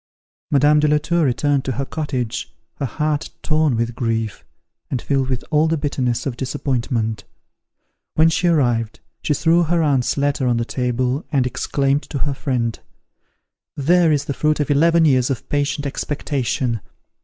Madame de la Tour returned to her cottage, her heart torn with grief, and filled with all the bitterness of disappointment. When she arrived, she threw her aunt's letter on the table, and exclaimed to her friend, "There is the fruit of eleven years of patient expectation!"